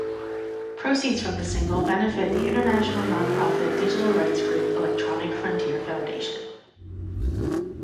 Proceeds from the single benefit the international non-profit digital rights group Electronic Frontier Foundation.